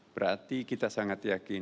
berarti kita sangat yakin